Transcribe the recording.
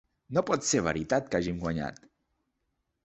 No pot ser veritat que hàgim guanyat.